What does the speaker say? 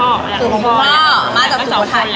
ด้านข้างของพ่อมาจากสุโขทัย